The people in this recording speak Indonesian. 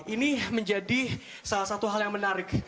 ini menjadi salah satu hal yang menarik